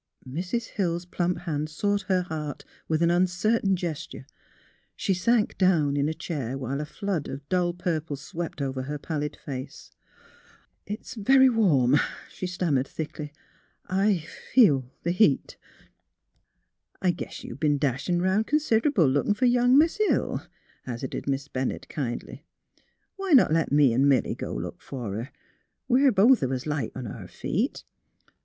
Mrs. Hill's plump hand sought her heart, with an uncertain gesture. She sank down in a chair, while a flood of dull purple swept over her pallid face. " It's — it's very warm," she stammered, thickly. •' I— feel the heat. '''' I guess you b'en dashin' 'round consid'able, lookin' fer young Mis' Hill," hazarded Miss Ben nett, kindly. " Why not let me an' Milly go look fer her? We're both of us light on our feet.